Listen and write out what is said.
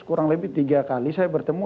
kurang lebih tiga kali saya bertemu